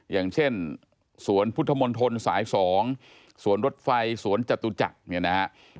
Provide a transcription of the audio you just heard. อย่างเช่นสวนพุทธมนตรสาย๒สวนรถไฟสวนจตุจักรเนี่ยนะฮะ